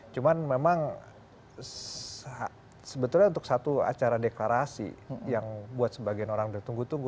cuman memang sebetulnya untuk satu acara deklarasi yang buat sebagian orang bertunggu tunggu